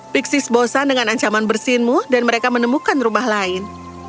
pixis bosan dengan ancaman bersinmu dan mereka menemukan rumah lain